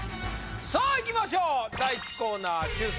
さあいきましょう